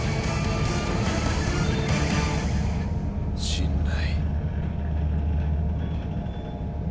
陣内。